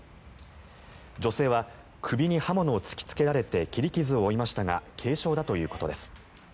女性は首に刃物を突きつけられて切り傷を負いましたが軽傷だということです。